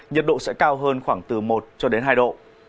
nhiệt độ sẽ cao hơn khoảng từ một hai độ